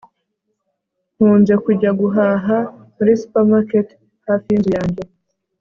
nkunze kujya guhaha muri supermarket hafi yinzu yanjye